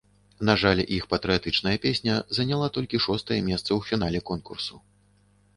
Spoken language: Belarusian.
На жаль, іх патрыятычная песня заняла толькі шостае месца ў фінале конкурсу.